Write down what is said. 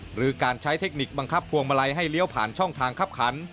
หรือการใช้เทคนิคบังคับพวงมาลัยให้เลี้ยวผ่านช่องทางคับขัน